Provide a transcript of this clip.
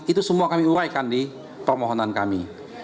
itu semua kami uraikan di permohonan kami